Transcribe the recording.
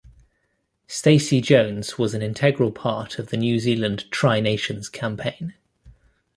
Stacey Jones was an integral part of the New Zealand Tri Nations campaign.